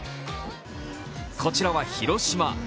こちらは広島。